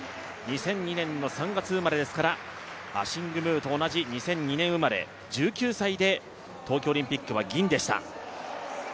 ２００２年の３月生まれですからアシング・ムーと同じ２００２年生まれ１９歳で東京オリンピックは銀でした。